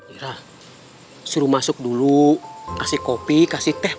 irah suruh masuk dulu kasih kopi kasih teh